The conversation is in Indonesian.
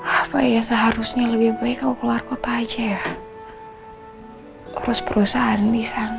apa ya seharusnya lebih baik kalau keluar kota aja ya terus perusahaan di sana